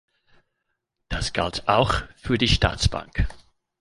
Das galt auch für die Staatsbank.